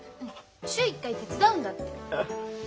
週１回手伝うんだって。